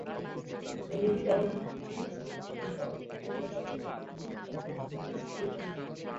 ছবিটি চলচ্চিত্রটির জন্য সেরা কৌতুক অভিনেতার ফিল্মফেয়ার পুরস্কার জিতেছে।